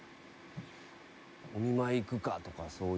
「お見舞い行くかとかそういう」